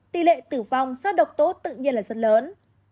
tỷ lệ tử vong xác độc tố tự nhiên là rất lớn